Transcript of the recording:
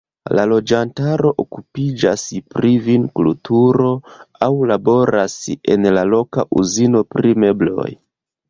La loĝantaro okupiĝas pri vinkulturo aŭ laboras en la loka uzino pri mebloj.